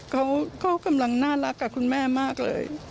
เขากำลังน่ารักกับคุณแม่มากเลย